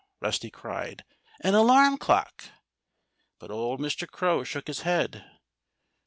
Rusty cried. "An alarm clock!" But old Mr. Crow shook his head.